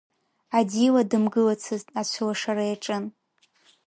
Адила дымгылацызт, ацәылашара иаҿын.